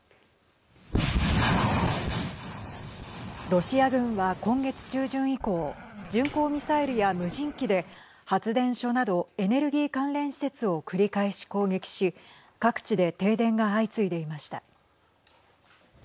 ロシア軍は今月中旬以降巡航ミサイルや無人機で発電所などエネルギー関連施設を繰り返し攻撃し各地で停電が相次いでいました。